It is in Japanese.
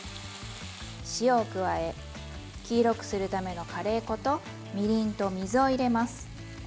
塩を加え黄色くするためのカレー粉とみりんと水を入れます。